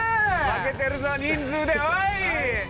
負けてるな人数でおい！